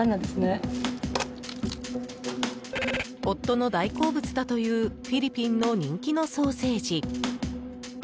夫の大好物だというフィリピンの人気のソーセージ。